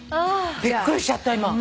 びっくりしちゃった今。